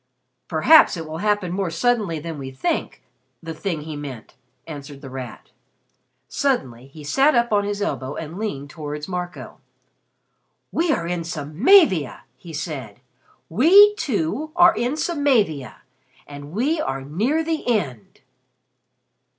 "Perhaps it will happen more suddenly than we think the thing he meant," answered The Rat. Suddenly he sat up on his elbow and leaned towards Marco. "We are in Samavia!" he said "We two are in Samavia! And we are near the end!"